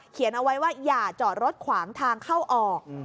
เอาไว้ว่าอย่าจอดรถขวางทางเข้าออก